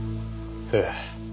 ええ。